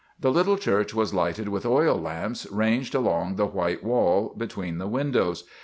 "The little church was lighted with oil lamps ranged along the white wall between the windows.